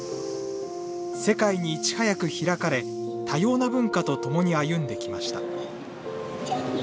世界にいち早く開かれ多様な文化とともに歩んできました。